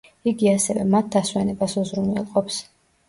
იგი ასევე მათ დასვენებას უზრუნველყოფს.